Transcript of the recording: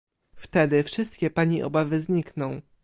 Wtedy wszystkie pani obawy znikną